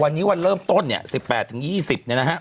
วันนี้วันเริ่มต้น๑๘๒๐นะครับ